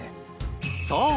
そう！